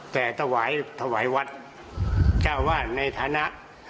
แต่ถวายถวายวัดเจ้าวาดในฐานะ